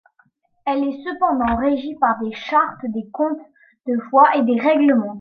Elle est cependant régie par des Chartes des comtes de Foix et des Règlements.